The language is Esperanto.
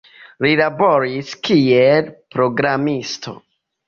Li laboris kiel programisto.